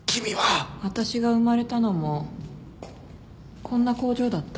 私が生まれたのもこんな工場だった。